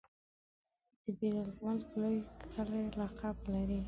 دبیر المک لوی کښلی لقب لري.